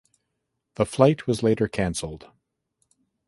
The fight was later cancelled.